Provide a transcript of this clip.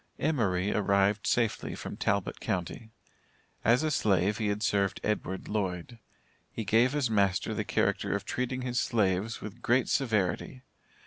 Emory arrived safely from Talbot county. As a slave, he had served Edward Lloyd. He gave his master the character of treating his slaves with great severity.